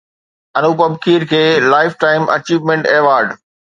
انوپم کير کي life time achievement award